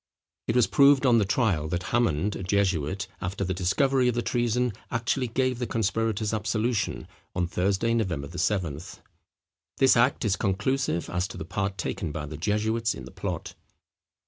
It was proved on the trial that Hammond, a jesuit, after the discovery of the treason, actually gave the conspirators absolution on Thursday, November the 7th. This act is conclusive as to the part taken by the jesuits in the plot.